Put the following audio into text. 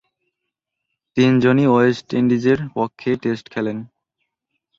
তিনজনই ওয়েস্ট ইন্ডিজের পক্ষে টেস্ট খেলেন।